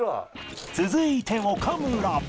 ［続いて岡村］